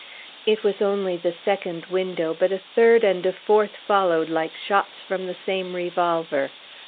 It was only the second window, but a third and a fourth followed like shots from the same revolver.